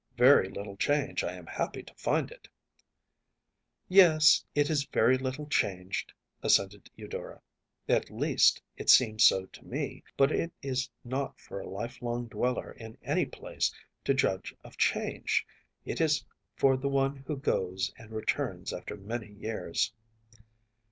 Very little changed I am happy to find it.‚ÄĚ “Yes, it is very little changed,‚ÄĚ assented Eudora; “at least, it seems so to me, but it is not for a life long dweller in any place to judge of change. It is for the one who goes and returns after many years.